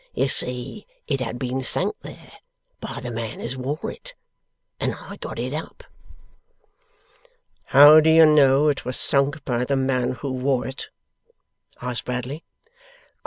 You see, it had been sunk there by the man as wore it, and I got it up.' 'How do you know it was sunk by the man who wore it?' asked Bradley.